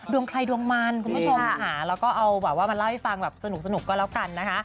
ดวงใครดวงมันคุณผู้ชมอาหาร